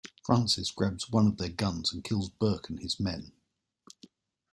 Francis grabs one of their guns, and kills Burke and his men.